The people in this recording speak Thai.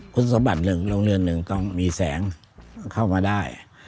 คุณสมบัติหนึ่งโรงเรียนหนึ่งต้องมีแสงเข้ามาได้